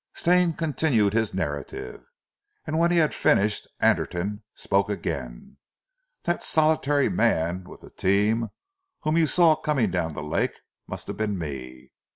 Stane continued his narrative, and when he had finished, Anderton spoke again. "That solitary man with the team whom you saw coming down the lake, must have been me.